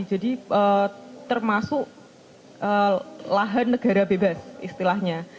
jadi termasuk lahan negara bebas istilahnya